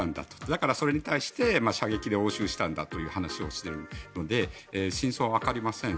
だから、それに対して射撃で応酬したんだという話をしているので真相はわかりません。